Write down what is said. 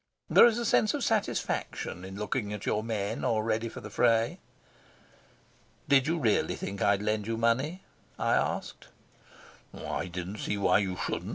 There is a sense of satisfaction in looking at your men all ready for the fray. "Did you really think I'd lend you money?" I asked. "I didn't see why you shouldn't."